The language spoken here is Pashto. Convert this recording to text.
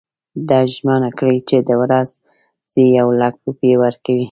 ده ژمنه کړې چې د ورځي یو لک روپۍ ورکوي.